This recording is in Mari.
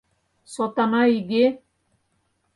Сотана иге!